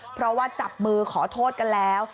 เพราะว่าจับมือขอโทษกันแล้ว